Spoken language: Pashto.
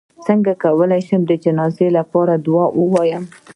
څنګه کولی شم د جنازې لپاره دعا ووایم